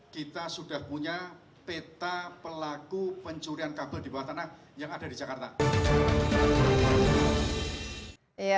kita sudah punya peta pelaku pencurian kabel di bawah tanah yang ada di jakarta